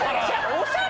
おしゃれ。